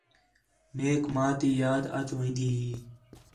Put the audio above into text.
میک ماں تی یاد اَچ وین٘دی ہی